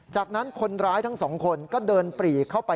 จากนั้นคนร้ายทั้งสองคนก็เดินปรีเข้าไป